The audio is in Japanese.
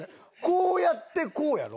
こうやってこうやろ？